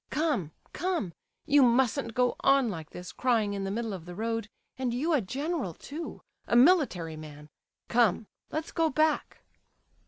Come, come, you mustn't go on like this, crying in the middle of the road; and you a general too, a military man! Come, let's go back."